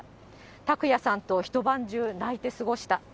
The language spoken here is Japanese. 拓也さんと一晩中泣いて過ごした。